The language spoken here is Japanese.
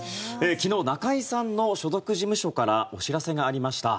昨日、中居さんの所属事務所からお知らせがありました。